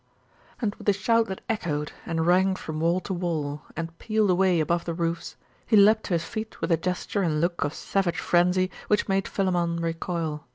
And with a shout that echoed and rang from wall to wall, and pealed away above the roofs, he leapt to his feet with a gesture and look of savage frenzy which made Philammon recoil.